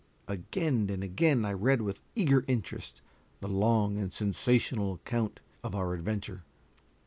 Again and again I read with eager interest the long and sensational account of our adventure.